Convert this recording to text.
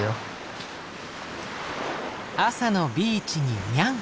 朝のビーチにニャン。